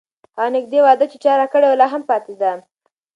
هغه نږدې وعده چې چا راکړې وه، لا هم پاتې ده.